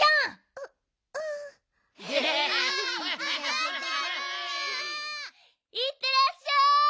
ううん。いってらっしゃい！